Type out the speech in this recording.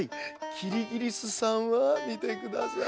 キリギリスさんはみてください。